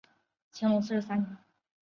乾隆四十三年。